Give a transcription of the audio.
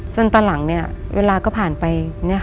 ตอนหลังเวลาก็ผ่านไป